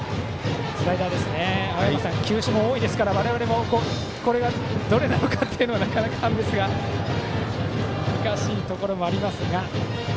青山さん、球種も多いですから我々もこれはどれなのかというのはなかなか判別が難しいところもありますが。